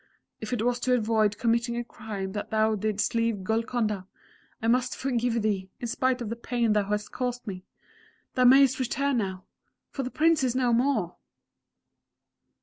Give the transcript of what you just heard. If it was to avoid committing a crime that thou didst leave Golconda, I must forgive thee, in spite of the pain thou hast caused me. Thou mayest return now for the Prince is no more!"